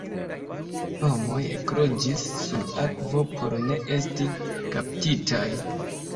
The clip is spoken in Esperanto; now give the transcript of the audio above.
Homoj ekloĝis sur akvo por ne esti kaptitaj.